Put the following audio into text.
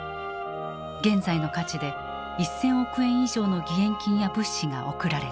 現在の価値で１，０００億円以上の義援金や物資が送られた。